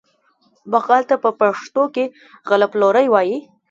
بقال ته په پښتو کې غله پلوری وايي.